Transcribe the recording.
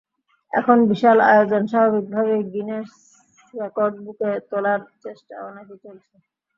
এমন বিশাল আয়োজন স্বাভাবিকভাবেই গিনেস রেকর্ড বুকে তোলার চেষ্টাও নাকি চলছে।